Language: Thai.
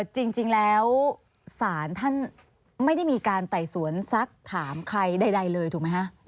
จริงแล้วศาลท่านไม่ได้มีการไต่สวนซักถามใครใดเลยถูกไหมคะ